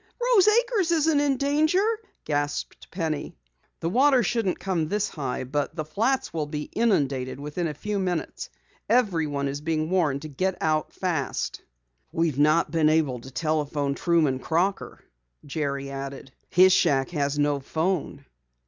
"Rose Acres isn't in danger?" gasped Penny. "The water shouldn't come this high, but the flats will be inundated within a few minutes. Everyone is being warned to get out fast!" "We've not been able to telephone Truman Crocker," Jerry added. "His shack has no 'phone."